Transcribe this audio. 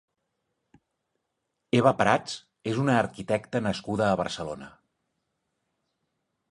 Eva Prats és una arquitecta nascuda a Barcelona.